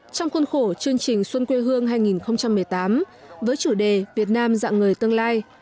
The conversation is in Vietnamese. trong khuôn khổ chương trình xuân quê hương hai nghìn một mươi tám với chủ đề việt nam dạng người tương lai